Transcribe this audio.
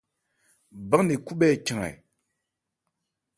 Bán nne khúbhɛ́ ɛ chan ɛ ?